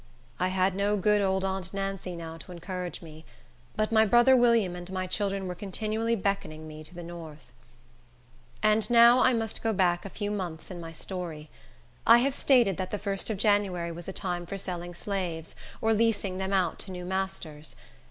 I had no good old aunt Nancy now to encourage me; but my brother William and my children were continually beckoning me to the north. And now I must go back a few months in my story. I have stated that the first of January was the time for selling slaves, or leasing them out to new masters.